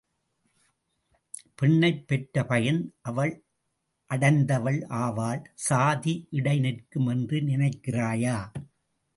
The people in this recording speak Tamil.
பெண்ணைப் பெற்ற பயன் அவள் அடைந்தவள் ஆவாள். சாதி இடை நிற்கும் என்று நினைக்கிறாயா?